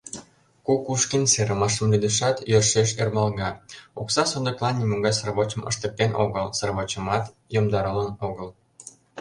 Кукушкин, серымашым лӱдешат, йӧршеш ӧрмалга: окса сондыклан нимогай сравочым ыштыктен огыл, сравочымат йомдарылын огыл.